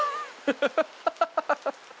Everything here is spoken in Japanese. ハハハハハ。